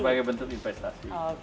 sebagai bentuk investasi